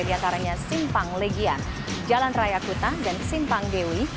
diantaranya simpang legian jalan raya kuta dan simpang dewi